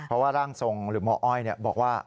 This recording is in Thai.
เพราะว่าร่างทรงหรือหมออ้อยบอกว่า